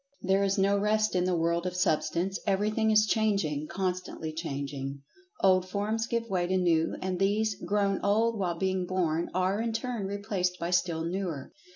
There is no rest in the world of Substance. Everything is changing—constantly changing. Old forms give way to new, and these, grown old while being born, are, in turn replaced by still newer.